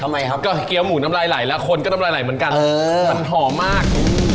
ทำไมครับก็เกี้ยวหมูน้ำลายไหลแล้วคนก็น้ำลายไหลเหมือนกันมันหอมมาก